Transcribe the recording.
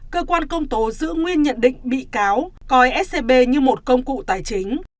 cơ quan công tố giữ nguyên nhận định bị cáo coi scb như một công cụ tài chính